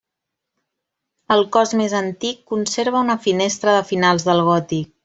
El cos més antic conserva una finestra de finals del gòtic.